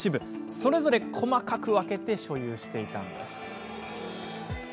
それぞれ細かく分けて所有していたんです。